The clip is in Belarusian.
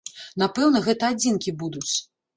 Напэўна, гэта адзінкі будуць.